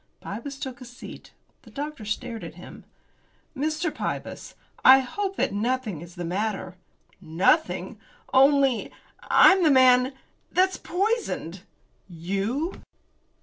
Pybus took a seat. The doctor stared at him. "Mr. Pybus, I hope that nothing is the matter." "Nothing, only I'm the man that's poisoned." "You!"